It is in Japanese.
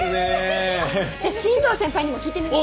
じゃあ新藤先輩にも聞いてみます。